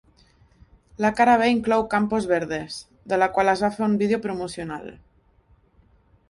La cara B inclou "Campos verdes", de la qual es va fer un vídeo promocional.